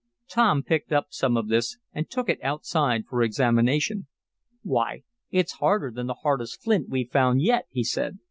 Tom picked up some of this and took it outside for examination. "Why, it's harder than the hardest flint we've found yet," he said.